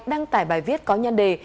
đăng tải bài viết có nhân đề